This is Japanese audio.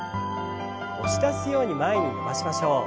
押し出すように前に伸ばしましょう。